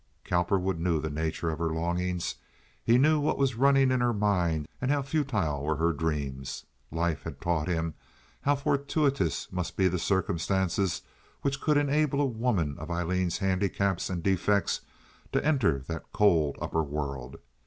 Cowperwood knew the nature of her longings. He knew what was running in her mind, and how futile were her dreams. Life had taught him how fortuitous must be the circumstances which could enable a woman of Aileen's handicaps and defects to enter that cold upper world.